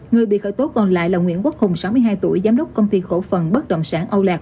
người bị khởi tố còn lại là nguyễn quốc hùng sáu mươi hai tuổi giám đốc công ty cổ phần bất động sản âu lạc